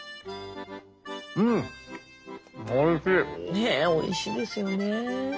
ねえおいしいですよね。